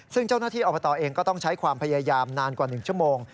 ซึ่งเจ้าหน้าที่อบตเองก็ต้องใช้ความพยายามนานกว่า๑ชั่วโมง